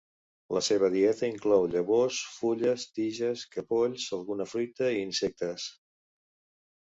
La seva dieta inclou llavors, fulles, tiges, capolls, alguna fruita i insectes.